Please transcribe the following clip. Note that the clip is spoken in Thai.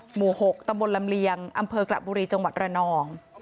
หมู่๖ตำบลลำเลียงอำเภอกระบุรีจังหวัดระนอง